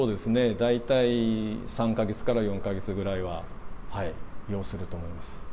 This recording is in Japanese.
大体３か月から４か月ぐらいは要すると思います。